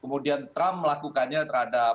kemudian trump melakukannya terhadap